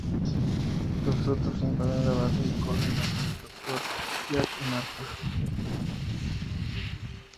Los Futuros invaden la base y corren hacia el Doctor, Jack y Martha.